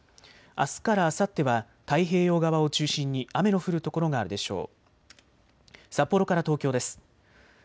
あすからあさっては太平洋側を中心に雨の降る所があるでしょう。